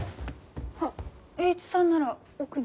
あ栄一さんなら奥に。